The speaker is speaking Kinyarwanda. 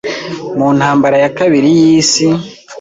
Mu ntambara ya kabiri y’isi